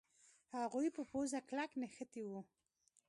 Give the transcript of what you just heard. هغوی په پوزه کلک نښتي وو.